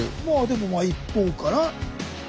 まあでも一方から。